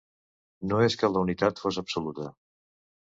No és que la unitat fos absoluta.